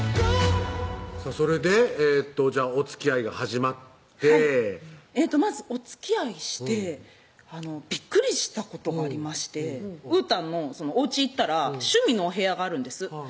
それでじゃあおつきあいが始まってまずおつきあいしてびっくりしたことがありましてうーたんのおうち行ったら趣味のお部屋があるんです